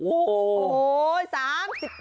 โอ้โห